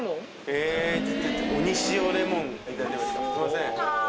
すいません。